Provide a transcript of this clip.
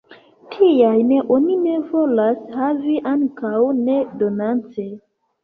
Tiajn oni ne volas havi, ankaŭ ne donace.